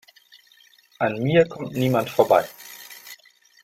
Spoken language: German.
An mir kommt niemand vorbei!